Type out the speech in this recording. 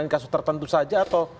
kasus tertentu saja atau